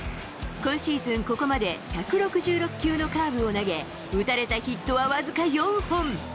今シーズン、ここまで１６６球のカーブを投げ、打たれたヒットはわずか４本。